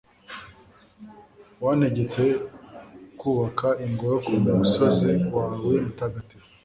wantegetse kubaka ingoro ku musozi wawe mutagatifu